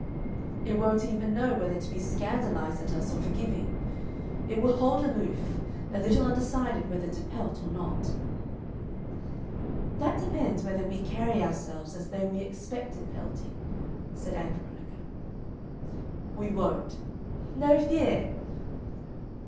It won't even know whether to be scandalized at us or forgiving. It will hold aloof, a little undecided whether to pelt or not " "That depends whether we carry ourselves as though we expected pelting," said Ann Veronica. "We won't." "No fear!"